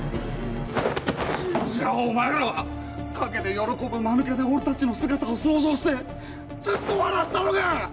じゃあお前らは陰で喜ぶ間抜けな俺たちの姿を想像してずっと笑ってたのか！？